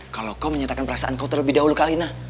kalau kau menyatakan perasaan kau terlebih dahulu ke alina